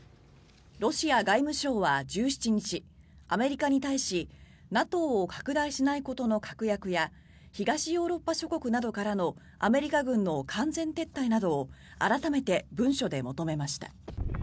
ロシア外務省は１７日アメリカに対しＮＡＴＯを拡大しないことの確約や東ヨーロッパ諸国などからのアメリカ軍の完全撤退などを改めて文書で求めました。